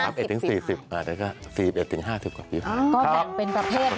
ก็แบงก์เป็นประเภทในการแข่งขันเลยค่ะ